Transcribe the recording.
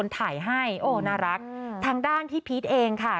ทางด้านพี่พีชเองค่ะ